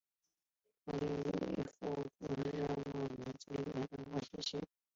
特里沃利镇区为美国堪萨斯州埃尔斯沃思县辖下的镇区。